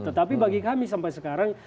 tetapi bagi kami sampai sekarang